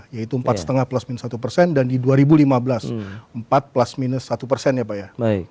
yaitu empat lima plus minus satu persen dan di dua ribu lima belas empat plus minus satu persen ya pak ya